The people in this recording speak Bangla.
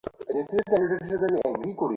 আমরা খারাপ না, ঠিক আছে?